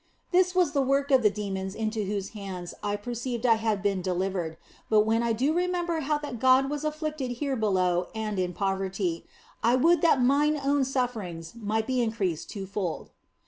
This was the work of the demons into whose hands I perceived I had been de livered, but when I do remember how that God was afflicted here below and in poverty, I would that mine own sufferings might be increased twofold.